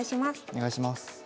お願いします。